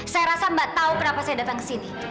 saya rasa mbak tahu kenapa saya datang ke sini